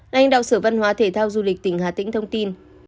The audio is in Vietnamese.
lãnh đạo sở văn hóa thể thao du lịch tỉnh hà tĩnh thông tin